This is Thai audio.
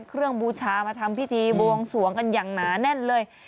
บูชามาทำพิธีบวงสวงกันอย่างหนาแน่นเลย